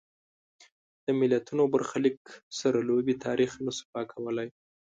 د ملتونو برخلیک سره لوبې تاریخ نه شو پاکولای.